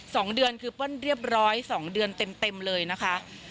สองเดือนคือเปิ้ลเรียบร้อยสองเดือนเต็มเต็มเลยนะคะ